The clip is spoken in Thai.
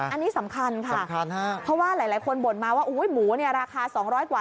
อันนี้สำคัญค่ะเพราะว่าหลายคนบ่นมาว่าโอ๊ยหมูนี่ราคา๒๐๐กว่า